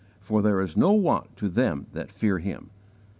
FOR THERE IS NO WANT TO THEM THAT FEAR HIM."